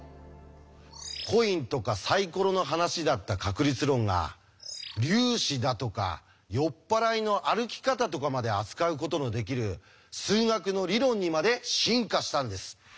コインとかサイコロの話だった確率論が粒子だとか酔っ払いの歩き方とかまで扱うことのできる数学の理論にまで進化したんです。